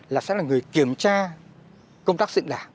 là sẽ là người kiểm tra